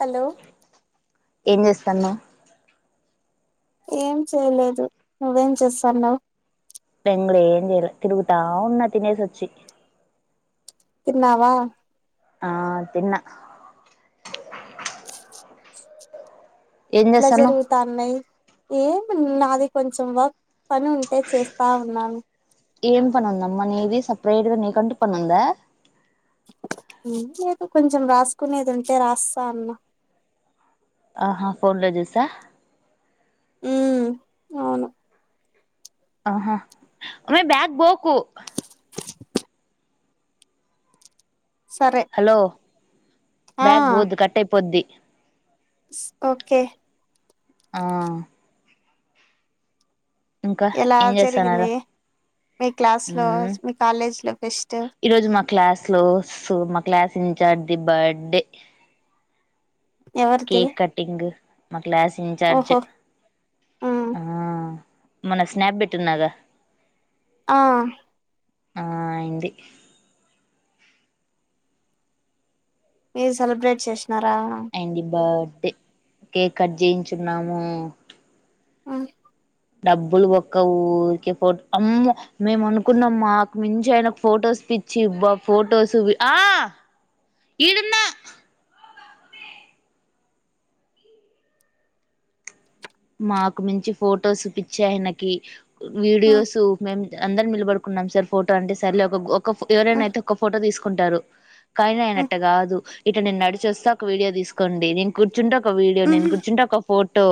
Hello ఏం చేస్తన్నావ్ ఏం చేయలేదు నువ్వేం చేస్తాన్నావు నేన్ కూడా ఏం చేయలే తిరుగుతా ఉన్నా తినేసి వొచ్చి తిన్నావా ఆ తిన్న ట్లా చేస్తాన్నావ్ జరుగుతాన్నాయి ఏ నాది కొంచెం వర్క్ పని ఉంటే చేస్తా ఉన్నాను ఏం పనుంద అమ్మా నీది సపరేట్గా నీ కంటు పనుంద ఎం లేదో కొంచెం రాసుకునేది ఉంటే రాస్తా అన్న ఆహా ఫోన్ లో చూసా ఉ అవును ఆహా మె బ్యాక్ పోకు సరే హలో ఆ బ్యాగ్ పోద్ కట్ అయిపోద్ది ఓకే ఆ ఇంకా ఎలా ఏం చేస్తన్నారు జరిగింది మీ క్లాస్ లో మీ కాలేజ్ లో ఫెస్ట్ ఈరోజు మా క్లాస్ లో సో మా క్లాస్ చార్ది బర్డే ఎవరిది కేక్ కటింగ్ మ క్లాస్ ఇన్చార్జ్ ఓహో ఉమ్ హా మొన్న స్నాప్ పెట్టినగా ఆ ఆ అయింది మీరు సెలబ్రేట్ చేస్త అండ్ బర్త్డే కేక్ కట్ చేయించున్నాము ఆ డబ్బులు బొక్క ఊరికే ఫోటో అమ్మ మేము అనుకున్నాం మాకు మించి ఆయన ఫోటోస్ పిచ్చి బ ఫటోస్ ఆ ఇడున్న మాకు మించి ఫొటోస్ పిచ్చే ఆయనకి ఉమ్ వీడియోస్ మేం అందరు నిలబడుకున్నాం సార్ ఫోటో అంటే ఎవరైనా ఉమ్ అయితే ఒక్క ఫోటో తీసుకుంటారు కానా ఉమ్ అయినట్ట కాదు ఇటు నేను నడిచస్తే ఒక వీడియో తీసుకోండి నేను కూచుంట ఒక వీడియో ఉమ్ నేను కూర్చుంట ఒక ఫోటో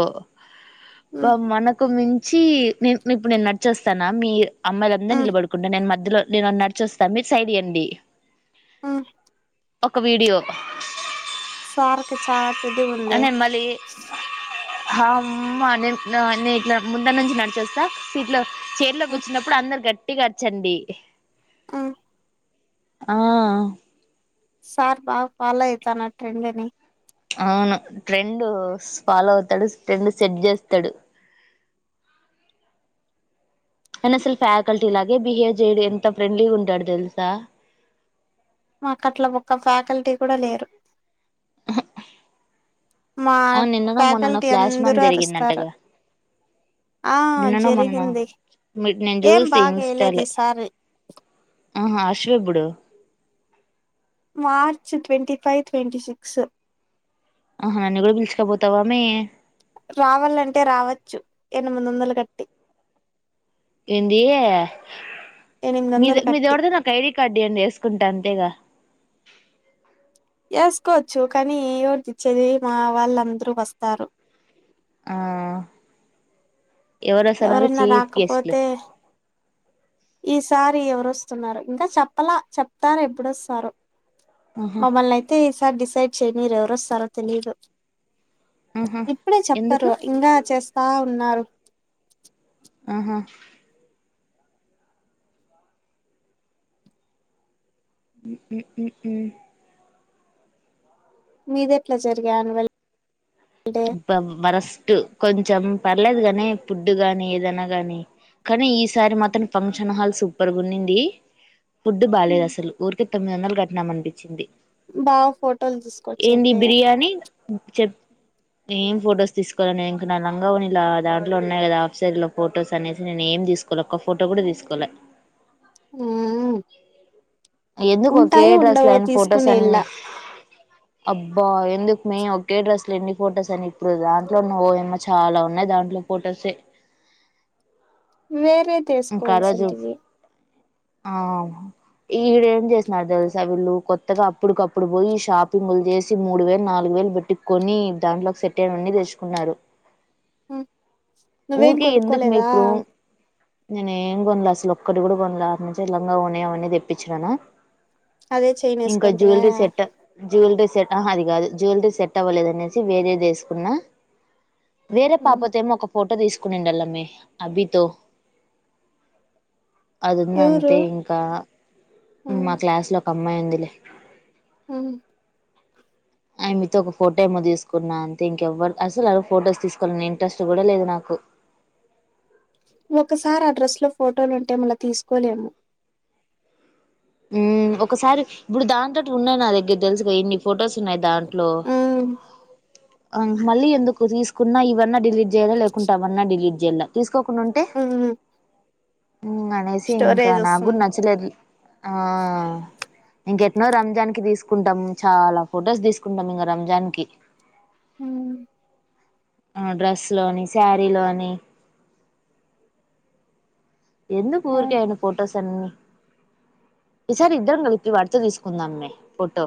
ఉమ్ ఉమ్ మనకు మించ చ్చి నేను మీప్పుడు నేను నడిచేస్తాను మీ అమ్మాయిలందా నిలబడుకుంటాను నేను మధ్యలో నేను నడిచేస్తాను మీ సైడ్ ఇయ్యాండి ఉమ్ ఒక వీడియో సార్కి చాలా తెలివి ఉందే అ నేను నే ఇట్లా ముంద నుంచి నడిచేస్తను సీట్లో చైర్ లో కూర్చున్నపుడు అందరు గట్టిగా అరచండి ఆ సార్ బాగా ఫాలో అయితనాడు ట్రెండ్ని అవును ట్రెండ్ ఫాలో అవుతాడు ట్రెండ్ సెట్ చేస్తాడు ఆయన అసలు ఫ్యాకల్టీ లాగే బిహేవ్ చేయడు ఎంత ఫ్రెండ్లీగా ఉంటాడు తెలుసా మాకు అట్ల ఒక్క ఫ్యాకల్టీ కూడా లేరు మా అవును నిన్ననో మొన్ననో ఫ్యాకల్టీ ఫ్లాష్ మామ్ అందరూ అరుస్తారు జరిగిందంటగా ఆ నిన్ననో మొన్ననో జరిగింది నేను ఏం చూస్తి బాగా ఇన్స్టా వేయలేదు లో ఈసారి ఆశు అప్పుడు March twenty five twenty six ఆహా నన్ను కూడా పిలుచుకపోతావామె రావాలంటే రావచ్చు ఎనిమిది వందలు కట్టి ఏంది ఎనిమిది వందలు మీది మీది కట్టి ఎవరితే నాకు ఐడి కార్డు ఇయ్యాండి వేసుకుంట అంతేగా వేసుకోవచ్చు కానీ ఎవరికి ఇచ్చేది మా వాళ్ళందరూ వస్తారు ఆ ఎవరో స్థానరు ఎవరైనా చీఫ్ గెస్ట్లు రాకపోతే ఈసారి ఎవరుొస్తున్నారు ఇంకా చెప్పలా చెప్తారు ఎప్పుడొస్తారో ఆహా మమ్మల్నియితే ఈసారి డిసైడ్ చేయ్యనివ్వరు ఈసారి ఎవరొస్తారో తెలియదు ఆహా ఇప్పుడే ఎందుకు చెప్పరు ఇంకా చేస్తా ఉన్నారు ఆహా మ్మ్మ్ మీద ఎట్లా జరిగా అన్వల్ ఇ వరస్ట్ కొంచెం పర్లేదు గానీ పుడ్డు గాని ఏదైనా గాని కానీ ఈసారి మాత్రం ఫంక్షన్ హాల్ సూపర్గా ఉ న్నింది ఫుడ్డు బాలేదు అసలు ఊరికే తొమ్మిది వందల ఘట్టినం అనిపించింది. బాగా ఫోటోలు తీసుకొచ్చి ఏంది అయితే బిర్యానీ చెప్ నే ఏం ఫొటోస్ తీసుకోల ఇంకా నాలంగా అలా దాంట్లో ఉన్నాయి కదా హాఫ్ సారిలా లో ఫొటోస్ అనేసి నేనుఏం ఏం తీసుకోలే ఒక్క ఫోటో కూడా తీసుకోలే ఉ ఎందుకు ఒకే డ్రస్లుయిన ఫొటోస్ తీసుకునే ఇల్ల అన్ని అబ్ బా ఎందుకు మే ఒకే డ్రెస్ లో ఎన్ని ఫొటోస్ అని ఇప్పుడు దాంట్లో ఉన్న ఓ యమ్మ చాలా ఉన్నాయి దాంట్లో ఫొటోసే వేరే ఇంకా ఆ రోజు తెసుకోవాల్సింటివి ఆ ఈడేం చేసినడు తెలుసా వీళ్ళు కొత్తగా అప్పుడుకప్పుడు పోయి షాపింగు చేసి మూడు వేలు నాలుగు వేలు వేలు పెట్టుకొని దాంట్లోకి సెట్ అయ్నావి అన్నీ తెచ్చుకున్నారు. నువ్వేం ఊకే ఎందుకు మే కొనుక్కోలేదా ఇప్పుడు నేను ఏం కొనలే అసలు ఒక్కటి కూడా కొనలే అతనుంచి లంగా ఓనే అవన్నీ తెప్పించిననా అదే చైన్ ఇంకా వేసుకుంటివా జ్యువెలరీ సెట్ జ్యువలరీ సెట్ హ అది గాదు జ్యువెలరీ సెట్ అవ్వలేదునేసి వేరే దేసుకున్నా వేరే పాపతో ఏమో ఒక ఫోటో తీసుకునిండల్లమే అభి తో అదింది ఎవరు అంతే ఇంకా మా క్లాస్ లో ఒక అమ్మాయి ఉందిలే ఉ ఆయ మీతో ఒక ఫోటో ఏమో తీసుకున్నా అంతే ఇంకెవ్వరు అసలు అవి ఫొటోస్ తీసుకోవాలిఅనే ఇంట్రస్ట్ కూడా లేదు నాకు ప్పు ఒకసారి అడ్రస్ లో ఫోటోలుంటే మళ్ళ తీసుకోలేము ఉ ఒకసారి ఇప్పుడు దాంతోతోటిటు ఉన్నాయి నా దగ్గర తెలుసు కద ఇన్ని ఫొటోస్ ఉన్నాయి దాంట్ మళ్ళీ ఎందుకు తీసుకున్నా ఇవ్వన్నా డిలేట్ ఏడా లేకుంట అవన్నా డిలీట్ చేయాలా తీసు తీసుకోకుండా ఉంటే అనేసి ఇంకా స్టోరేజ్ నాకు కూడా వస్తుంది నచ్చలేదు ఆ ఇంకెట్నో రంజాన్ కి తీసుకుంటాం చాలా ఫొటోస్ తీసుకుంటాం ఇంగ రంజాన్ కి ఉం ఆ డ్రస్ లోని శారీలోని ఎందుకు వురికే అవును అని ఫోటోస్ అన్ని ఈసారి ఇద్దరం కలిపి వాడితో తీసుకుందామ్మే ఫోటో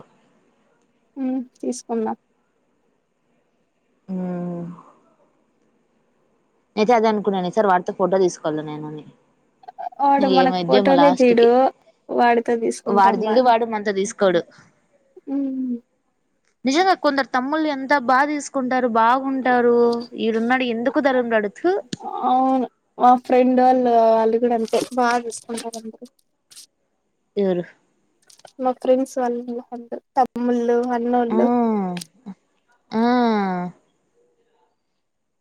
ఉం తీసుకున్నమ్ ఊ అయితే అదే అనుకున్నాను ఈ సార్ వాటితో ఫోటో తీసుకోవాల నేనుని వాడు మనకు ఫోటోలే తియడు వాడితో వాడు తీసుకుంటాం దా దిగుడు వాడు మనతో తీసుకోడు ఊ నిజంగా కొందరు తమ్ముళ్లు ఎంత బాగా తీసుకుంటారు బాగుంటారు ఈడున్నాడు ఎందుకు ధర ఉన్నాడు. అవును ఆ ఫ్రెండ్ వాళ్ళు వాళ్ళు కూడా అంతే బాగా చూస్తుంటారు. అంట ఎరు మా ఫ్రెండ్స్ వాళ్లు తమ్ముళ్ళు ఆ అన్నోళ్ళు ఆ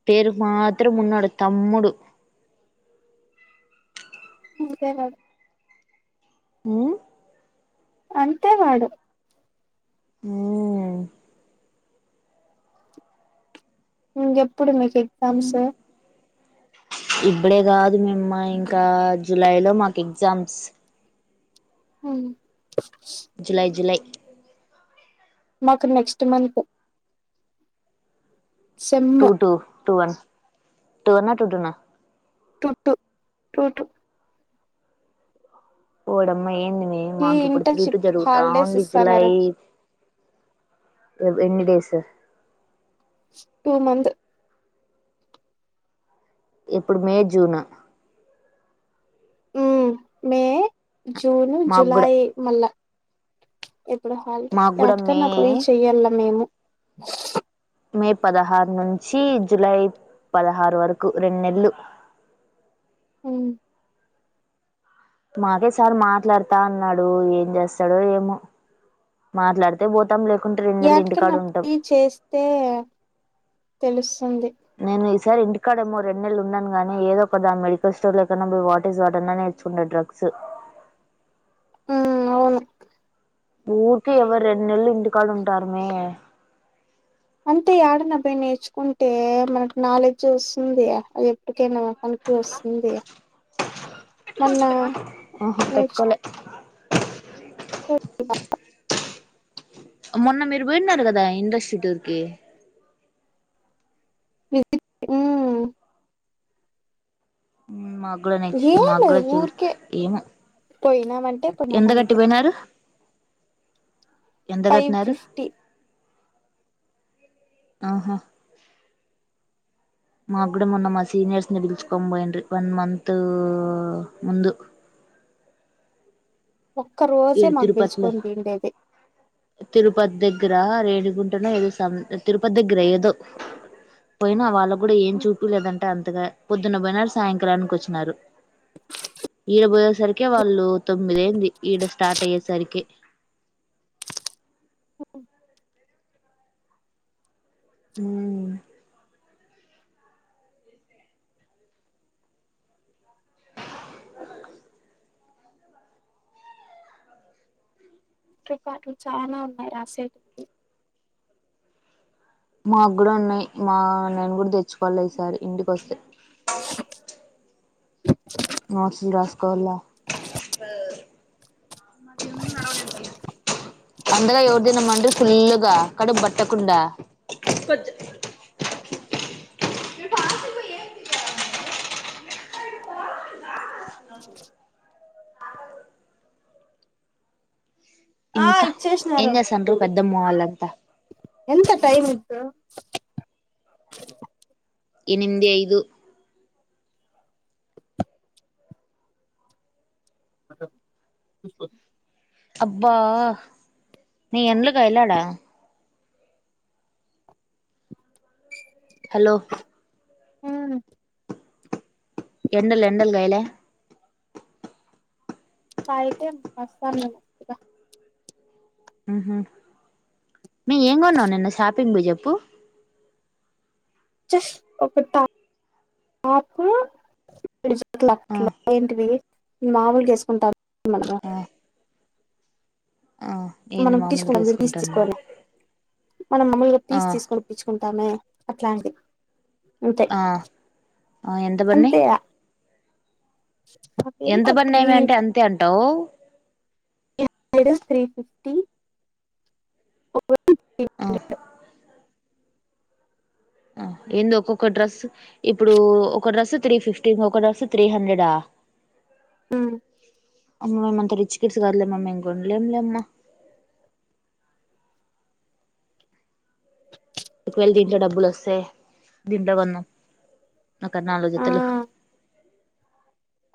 పేరుకు మాత్రం ఉన్నాడు తమ్ముడు అంతే మడం ఉం అంతే వాడు ఉం ఇంకేప్పుడు మీకు ఎగజామ్స్ ఇప్పుడే కాదు మేమ్మ ఇంకా జులై లో మాకు ఎగ్జామ్స్ హ్మ జులై జులై మాకు next month sem two two two one two వన్న టూ టూ నా టూ టూ టూ టూ వోడమ్మా ఏంది మే ఈ మాకు ఇప్పుడు త్రీ టూ ఇంటర్న్షిప్ హాలిడేస్ జరుగుతాఉంది జులై ఇస్తున్నారు ఎన్ని డేస్ టూ మంత్ ఏప్పుడు మే జూన్ ఉ మే జూను మాకు కూడా జులై మళ్ళ ఎప్పుడు హాలిడే మాకు కూడా మే యాట్కన్న పోయి చెయ్యాల్ల మేము మే పదహారు నుంచి జులై పదహారు వరకు రెండు నెల్లు హ్మ్ మాకే సార్ మాట్లాడుతా అన్నాడు ఏం చేస్తాడో ఏమో మాట్లాడితే పోతాం లేక యాట కన్నా పోయి చేస్తే తెలుస్తుంది ఈ సారీ ఇంటికాడమో రెండు నెల్లు ఉండనుగానీ ఏదో ఒక దాన్ మెడికల్ స్టోర్ లోకన్నా పోయి వాట్ ఇస్ వాట్ అన్న నేర్చుకుంట డ్రగ్స్ గ్స్ హ్మ్ అవును ఊరికే ఎవరు రెండు నెల్లు ఇంటికాడు ఉంటారమే అంటే యాడన్న పోయి నేర్చుకుంటే మనకి నాలెడ్జ్ వస్తుంది అది ఎప్పుడ్ ఏమన్నా పనకి వస్తుంది మన్న ఆహా నేర్చ్ పెట్టుకోలే [inaudible] మొన్న మీరు పోయిన్నారు కదా ఇండస్ట్రిట్యూర్ కి హ్మ్ మాకు మాకు కూడా నెక్ట్స్ ఏం మాక్ లేదు కూడా ఊరికే ఏమో పోయినామంటే పోయినాం ఎంత కట్టి అంతే పోయినారు ఎంత ఫైవ్ కట్టినారు ఫిఫటీ ఆహా మా కూడా మొన్న మా సీనియర్స్ ని పిలుచుకోని పాయింట్రీ వన్ మంత్ ముందు ఒక్క రోజే ఏడు మాకు తిరుపతిలోన పిలుచుకొని పోయిండేది తిరుపతి దగ్గర రేనుగ్ గుంటానో ఏదో తిరుపతి దగ్గర ఏదో పోయినార్ వాళ్ళ కూడా ఏం చూపిలేదంటే అంతగా పొద్దున్న పోయినార్ సాయంకాలనికి వచ్చినారు ఈడ పోయిసరికే వాళ్ళు తొమ్మిది అయింది ఈడ స్టార్ట్ అయ్యే సరికి హ్మ్ రికాడ్లు చానా ఉన్నాయి రాసే మా కూడా ఉన్నాయి మా నేను కూడా తెచ్చుకోవాలి ఈసారి ఇంటికొస్తే నోట్స్ లు రాస్కోళ్ల అంతగా ఎవరూ తినమనరు ఫుల్గా కడుపు పట్టకుండా ఆ ఇంకా ఏం ఇచ్చేస్నారు చేస్తాండ్రు పెద్దమ్మ వాళ్ళంతా ఎంత టైమ్ ఇప్పుడు ఇనిమిది ఐదు ఆ చూస్కో అబ్బా నీ ఏండ్లు కాయలె ఆడ హలో హ్మ్ ఎండల్ ఎండల్ కాయలే [unintelligible] ఉహ్మ్ మే ఏం కొన్నాం నిన్న షాపింగ్ చెప్పు జస్ట్ ఒక టాప్ టాపు చట్లు ఆ అట్లా ఇంటివి మామూలు యేసుకుంటా [inaudible] ఆ ఆ ఏంది మనం మామూలుగా తీసుకుంటం మీరు పీసి వేసుకుంటాము తీసుకొని మనం మామూలుగా పీస ఆ తీసి తీసుకొని కుట్టిచ్చుకుంట మే అట్లాంటిది అంతే ఆ ఆ ఎంత పడ్నాయ్ అంతే ఎంత పన్నాయ్ మే అంటే అంతే అంటావు [unintelligible] ఆ ఏంది ఒక్కొక్క డ్రెస్ ఇప్పుడు ఒక డ్రెస్సు త్రీ ఫిఫ్టీ ఇంకొక డ్రెస్ త్రీ హండ్రెడా మ్మ్ అమ్మ మేమ్ అంత రిచకిడ్స్ కాదులేమ్ మమ్ ఇం కొనలేంలేమ్మా ఒకవేల దీంట్లో డబ్బులు వస్తే దీంట్లో కొన్నాం ఒక నాలుగు జతులు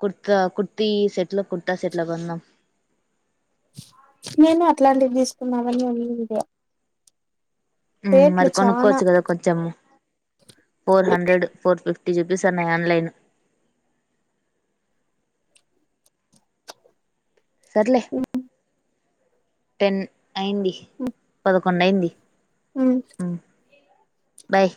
కుర్తా కుర్తీ సెట్లో కుర్తా సెట్ల కొందం నేను అట్లాంటి తీసుకున్నామని ఉడియా మరి కొనుక్కోవచ్చు కదా కొంచెం ఫోర్ హండ్రెడ్ ఫోర్ ఫిఫ్టీ చూపిస్తున్నాయి ఆన్లైన్ సర్లే టెన్ అయింది ఉమ్, పదకొండు అయింది ఉమ్. హ్మ్ బాయ్